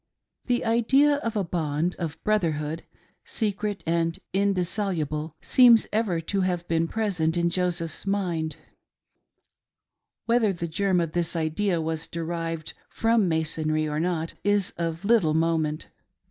The idea of a bond of brotherhood — secret and indissoluble — seems ever to have been present in Joseph's mind. Whether the germ of this idea was derived from Masonry, or not, is of little moment.